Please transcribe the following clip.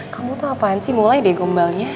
kamu tuh apaan sih mulai deh gombalnya